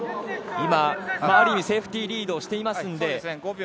今、ある意味セーフティーリードをしていますので。